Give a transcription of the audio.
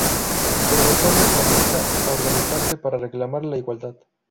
Pero los hombres comienzan a organizarse para reclamar la igualdad.